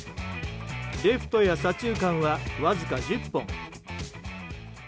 レフトや左中間はわずか１０本。